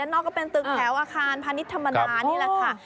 นอกก็เป็นตึกแถวอาคารพาณิชย์ธรรมดานี่แหละค่ะ